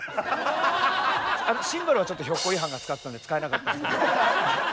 シンバルはちょっとひょっこりはんが使ってたんで使えなかったんですけど。